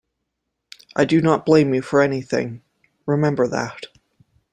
I do not blame you for anything; remember that.